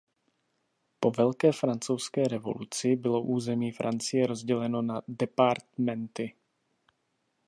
Po Velké francouzské revoluci bylo území Francie rozděleno na departementy.